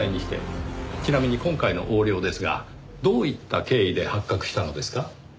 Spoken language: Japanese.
ちなみに今回の横領ですがどういった経緯で発覚したのですか？